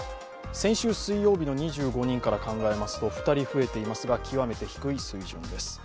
先週水曜日の２５人から考えますと２人増えていますが極めて低い水準です。